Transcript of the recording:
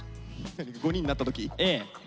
５人になった時？